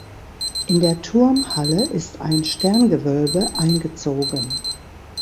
In der Turmhalle ist ein Sterngewölbe eingezogen.